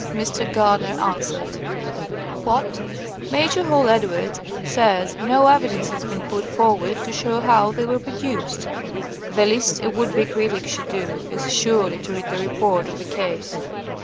To this Mr. Gardner answered :Major Hall Edwards says *no evidence has been put forward to show how they were produced.' The least a would be critic should do is surely to read the report of the case.